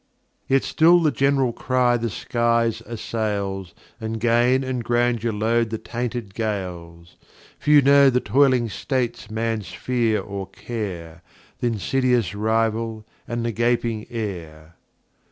Yet[c] still the gen'ral Cry the Skies assails And Gain and Grandeur load the tainted Gales; Few know the toiling States man's Fear or Care, Th' insidious Rival and the gaping Heir. [Footnote c: Ver.